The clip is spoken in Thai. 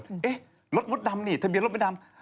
เฮ้รถมดดำนี่ทะเบียรถไม่ดำ